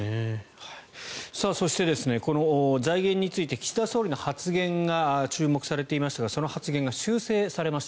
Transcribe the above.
そして、この財源について岸田総理の発言が注目されていましたがその発言が修正されました。